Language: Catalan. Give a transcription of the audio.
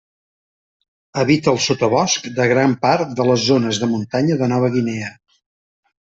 Habita el sotabosc de gran part de les zones de muntanya de Nova Guinea.